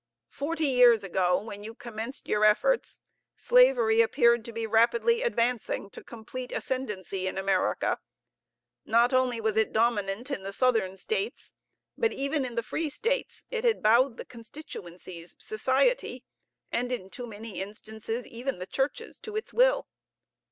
"Forty years ago, when you commenced your efforts, slavery appeared to be rapidly advancing to complete ascendency in America. Not only was it dominant in the Southern States, but even in the Free States it had bowed the constituencies, society, and, in too many instances, even the churches to its will.